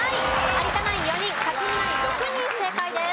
有田ナイン４人克実ナイン６人正解です。